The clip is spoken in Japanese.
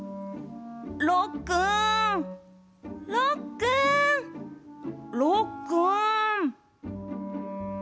ろっくーん、ろっくーんろっくーん。